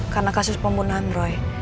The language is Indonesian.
karena kasus pembunuhan roy